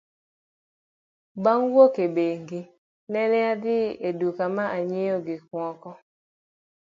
Bang' wuok e bengi, nene adhi e duka ma anyiewo gik moko.